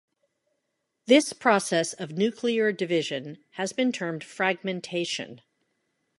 This process of nuclear division has been termed fragmentation.